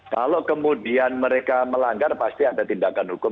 kalau kemudian mereka melanggar pasti ada tindakan hukum